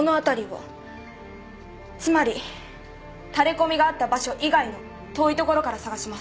つまりタレコミがあった場所以外の遠い所から探します。